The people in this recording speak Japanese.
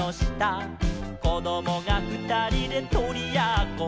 「こどもがふたりでとりやっこ」